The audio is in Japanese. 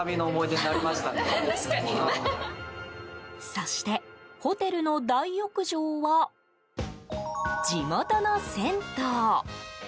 そしてホテルの大浴場は地元の銭湯。